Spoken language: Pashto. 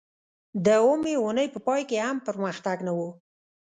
د اوومې اونۍ په پای کې هم پرمختګ نه و